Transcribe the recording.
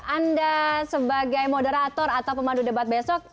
anda sebagai moderator atau pemandu debat besok